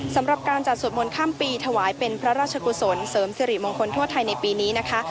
สำหรับการจัดสวดมนต์ข้ามปีถวายเป็นพระราชกุศลเสริมสิริมงคลทั่วไทยในปีนี้นะคะ